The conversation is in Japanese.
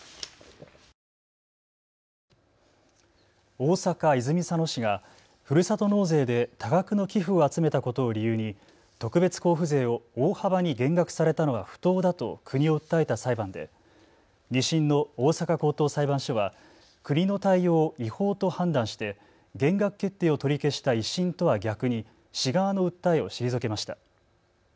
大阪泉佐野市がふるさと納税で多額の寄付を集めたことを理由に特別交付税を大幅に減額されたのは不当だと国を訴えた裁判で２審の大阪高等裁判所は国の対応を違法と判断して減額決定を取り消した１審とは逆に市側の訴えを退けました。